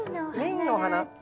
メインのお花。